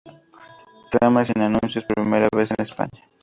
Kramer" sin anuncios por primera vez en España.